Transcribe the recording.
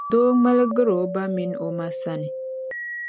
doo ŋmaligir’ o ba min’ o ma sania.